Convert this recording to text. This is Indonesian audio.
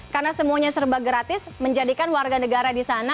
karena semuanya serba gratis menjadikan warga negara di sana